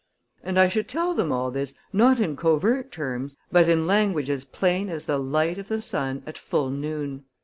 And I should tell them all this not in covert terms, but in language as plain as the light of the sun at full noon."